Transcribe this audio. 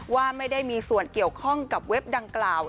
ว่าไม่ได้มีส่วนเกี่ยวข้องกับเว็บดังกล่าว